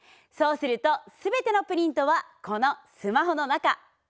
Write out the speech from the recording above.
そうすると全てのプリントはこのスマホの中。